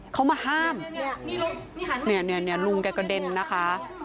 เขามาห้ามเนี่ยลุงแกกระเด็นนะคะ